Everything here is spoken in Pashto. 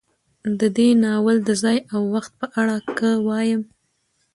د دې ناول د ځاى او وخت په اړه که وايم